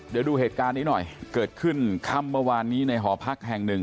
เดี๋ยวดูเหตุการณ์นี้หน่อยเกิดขึ้นค่ำเมื่อวานนี้ในหอพักแห่งหนึ่ง